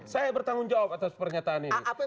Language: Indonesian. saya bertanggung jawab atas pernyataan ini